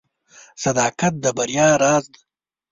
• صداقت د بریا راز دی.